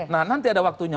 nah nanti ada waktunya